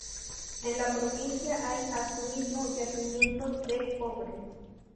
En la provincia hay asimismo yacimientos de cobre.